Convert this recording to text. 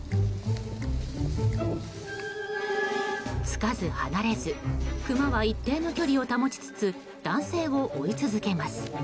つかず離れずクマは一定の距離を保ちつつ男性を追い続けます。